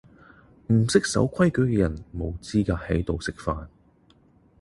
唔識守規矩既人無資格喺度食飯